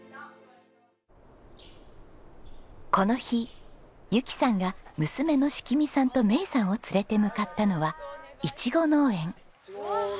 この日由紀さんが娘のしきみさんと明衣さんを連れて向かったのはいちご農園。